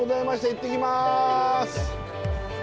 行ってきます！